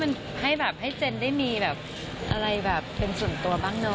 เออให้เจนได้มีอะไรแบบเป็นส่วนตัวปังเนอะ